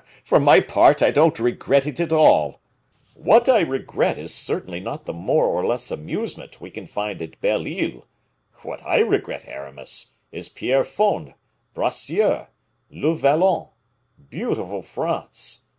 _ For my part, I don't regret it at all. What I regret is certainly not the more or less amusement we can find at Belle Isle: what I regret, Aramis, is Pierrefonds; Bracieux; le Vallon; beautiful France!